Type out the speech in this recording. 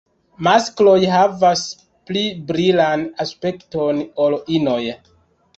Maskloj havas pli brilan aspekton ol inoj.